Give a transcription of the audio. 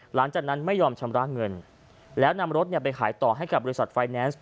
หลังจากนั้นไม่ยอมชำระเงินแล้วนำรถไปขายต่อให้กับบริษัทไฟแนนซ์